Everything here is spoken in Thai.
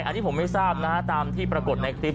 อันนี้ผมไม่ทราบนะฮะตามที่ปรากฏในคลิป